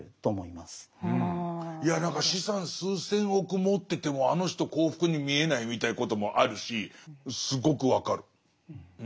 いや何か資産数千億持っててもあの人幸福に見えないみたいなこともあるしすごく分かる。